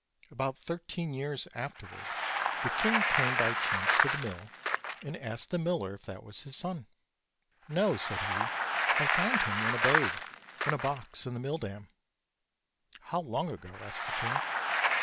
About thirteen years afterward the king came by chance to the mill, and asked the miller if that was his son. OLD, OLD FAIRY TALES. 65 "No," said he; "I found him, when a babe, in a box in the mill dam." "How long ago?" asked the king.